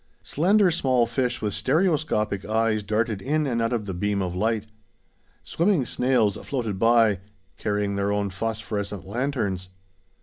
Slender small fish with stereoscopic eyes, darted in and out of the beam of light. Swimming snails floated by, carrying their own phosphorescent lanterns.